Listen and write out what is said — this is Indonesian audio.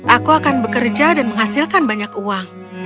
aku akan bekerja dan menghasilkan banyak uang